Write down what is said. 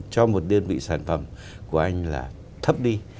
cho một đơn vị sản phẩm của anh là thấp đi